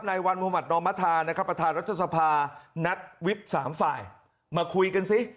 ในวันมหมาตรนมภาคประธานรัฐสภานัดวิบ๓ฝ่ายมาคุยกันซิ